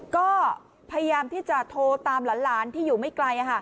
ก็พยายามที่จะโทรตามหลานที่อยู่ไม่ไกล